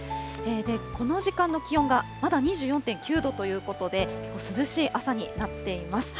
この時間の気温がまだ２４．９度ということで、涼しい朝になっています。